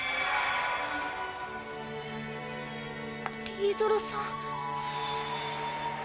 リーゾロさん。